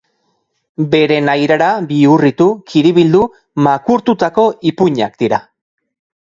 Bere nahierara bihurritu, kiribildu, makurtutako ipuinak dira.